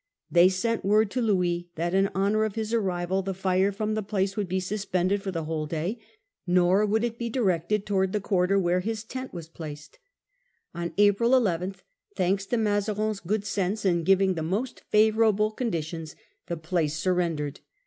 They sent word to Louis that in honour of his arrival the fire from the place would be suspended for the whole day, nor would it be directed towards the quarter where his tent was placed. On April 11, thanks to Mazarin's good sense in giving the most favourable conditions, the place surrendered.